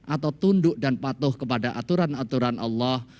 atau tunduk dan patuh kepada aturan aturan allah